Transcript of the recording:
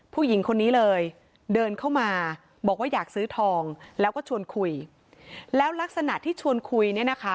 ผู้หญิงคนนี้เลยเดินเข้ามาบอกว่าอยากซื้อทองแล้วก็ชวนคุยแล้วลักษณะที่ชวนคุยเนี่ยนะคะ